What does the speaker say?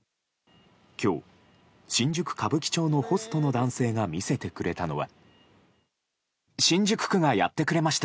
今日、新宿・歌舞伎町のホストの男性が見せてくれたのは。